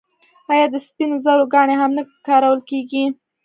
آیا د سپینو زرو ګاڼې هم نه کارول کیږي؟